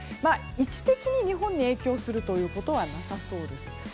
位置的に、日本に影響するということはなさそうです。